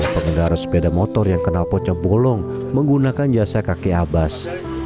pemegara sepeda motor yang kenal pocap bolong menggunakan jasa kakek abbas